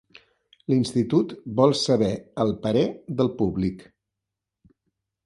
L'institut vol saber el parer del públic.